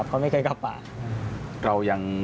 เขาไม่เคยเข้าป่า